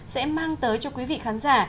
sẽ mang tới cho quý vị khán giả